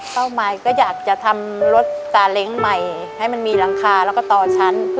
เป้าหมายก็อยากจะทำรถสาเล้งใหม่ให้มันมีหลังคาแล้วก็ต่อชั้น